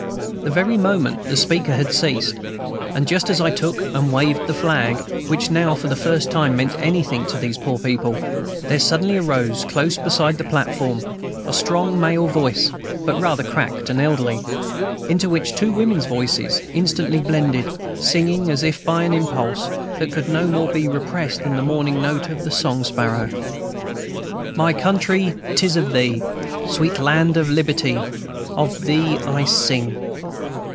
The very moment the speaker had ceased, and just as I took and waved the flag, which now for the first time meant anything to these poor people, there suddenly arose, close beside the platform, a strong male voice (but rather cracked and elderly), into which two women's voices instantly blended, singing, as if by an impulse that could no more be repressed than the morning note of the song sparrow. "My Country, 'tis of thee, Sweet land of liberty, Of thee I sing!"